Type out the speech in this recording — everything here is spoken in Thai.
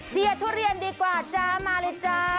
เชียร์ทุเรียนดีกว่าจ้ามาเลยจ้า